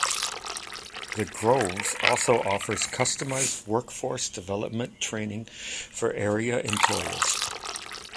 The Groves also offers customized workforce development training for area employers.